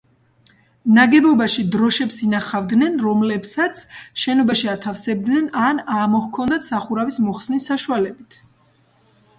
ნაგებობაში დროშებს ინახავდნენ, რომლებსაც შენობაში ათავსებდნენ ან ამოჰქონდათ სახურავის მოხსნის საშუალებით.